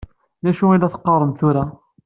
D acu i la teqqaṛem tura?